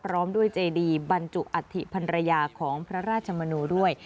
พร้อมด้วยเจดีบรรจุอัฐิพันรยาของพระราชมโนด้วย